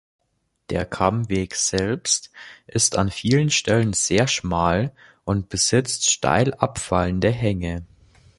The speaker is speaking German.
Der Kammweg selbst ist an vielen Stellen sehr schmal und besitzt steil abfallende Hänge.